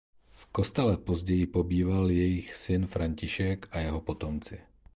V kostele později pobýval jejich syn František a jeho potomci.